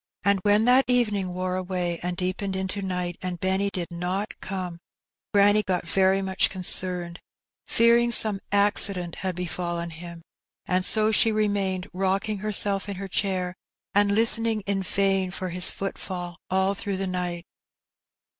211 when thAt evening wore away and deepened into night, and Benny did not come, granny got very much concerned, fear ing some accident had befallen him ; and so she remained . rocking herself in her chair, and listening in vain for his ^ footfall all through the night.